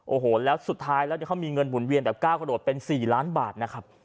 โอ้โหแล้วสุดท้ายแล้วเขามีเงินหมุนเวียนแบบก้าวกระโดดเป็น๔ล้านบาทนะครับ